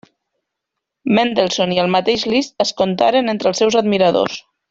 Mendelssohn i el mateix Liszt es contaren entre els seus admiradors.